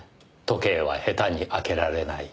時計は下手に開けられない。